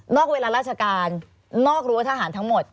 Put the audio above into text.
เวลาราชการนอกรั้วทหารทั้งหมด